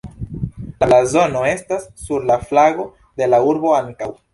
La blazono estas sur la flago de la urbo ankaŭ.